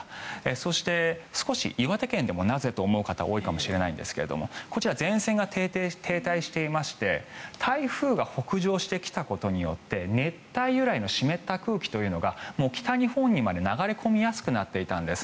そして、少し岩手県でもなぜと思う方いるかもしれませんがこちら、前線が停滞していまして台風が北上してきたことによって熱帯由来の湿った空気というのが北日本にまで流れ込みやすくなっていたんです。